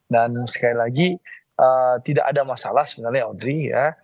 dan sekali lagi tidak ada masalah sebenarnya audrey ya